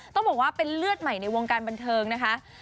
ต้องบอกว่าเป็นเลือดใหม่ในวงการบันเทิงนะคะ